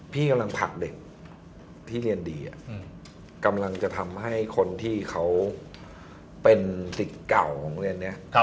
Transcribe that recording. พี่กำลังผลักเด็กที่เรียนดีกำลังจะทำให้คนที่เขาเป็นสิทธิ์เก่าของโรงเรียนนี้